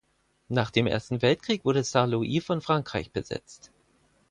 Nach dem Ersten Weltkrieg wurde Saarlouis von Frankreich besetzt.